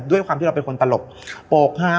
ด้วยความที่เราเป็นคนตลกโปรกฮา